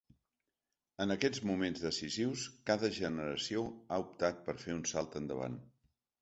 En aquests moments decisius, cada generació ha optat per fer un salt endavant.